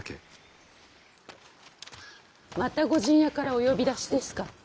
またご陣屋からお呼び出しですか。